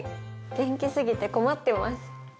元気過ぎて困ってます。